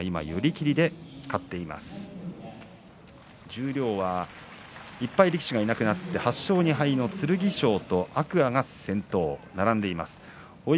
十両は１敗力士がいなくなり２敗、剣翔天空海が並んでいます。